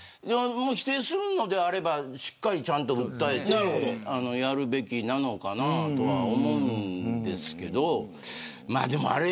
否定するのであればしっかりと訴えてやるべきなのかなと思うんですけど。